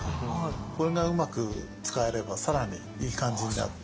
これがうまく使えれば更にいい感じになる。